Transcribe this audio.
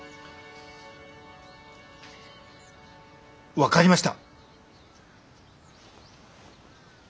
分かりました。